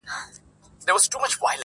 چي د خلکو یې لوټ کړي وه مالونه٫